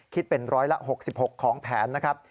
คิดเป็นร้อยละ๖๖ของแผนนะครับ